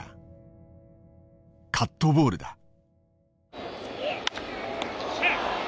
カットボールだ。